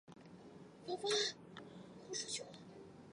曾祖父郭景昭。